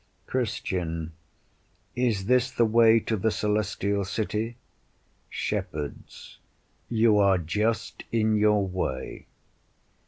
Christian Is this the way to the Celestial City? Shepherds You are just in your way.